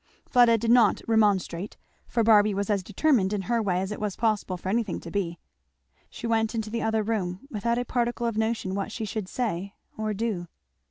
Fleda did not remonstrate, for Barby was as determined in her way as it was possible for anything to be. She went into the other room without a particle of notion what she should say or do.